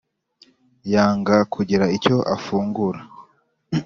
yanga kugira icyo afungura